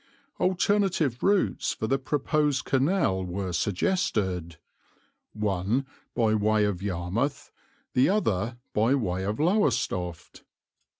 Alternative routes for the proposed canal were suggested, one by way of Yarmouth, the other by way of Lowestoft.